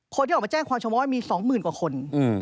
คนที่ออกมาแจ้งความชะม้อยมีสองหมื่นกว่าคน